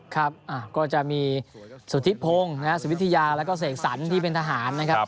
ครับก็จะมีสุธิพงศ์นะครับสุธิพงศ์แล้วก็เสกสรรภ์ที่เป็นทหารนะครับ